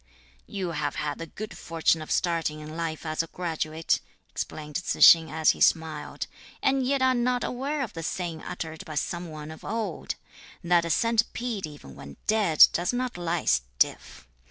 "You have had the good fortune of starting in life as a graduate," explained Tzu tsing as he smiled, "and yet are not aware of the saying uttered by some one of old: that a centipede even when dead does not lie stiff.